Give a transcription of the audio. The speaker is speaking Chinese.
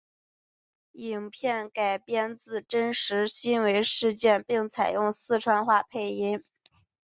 影片改编自真实新闻事件并采用四川话配音。